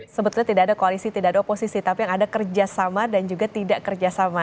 sebetulnya tidak ada koalisi tidak ada oposisi tapi yang ada kerjasama dan juga tidak kerjasama